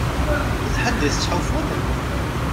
D ḥedd i tettḥufuḍ?